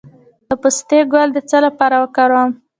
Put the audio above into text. د پسته ګل د څه لپاره وکاروم؟